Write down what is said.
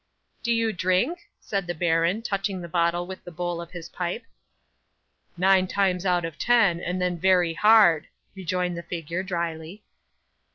'"Do you drink?" said the baron, touching the bottle with the bowl of his pipe. '"Nine times out of ten, and then very hard," rejoined the figure, drily.